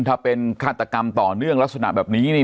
ถ้าเป็นฆาตกรรมต่อเนื่องลักษณะแบบนี้นี่